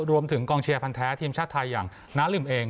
รวมถึงกองเชียร์พันธ์แท้ทีมชาติไทยอย่างน้าลืมเอง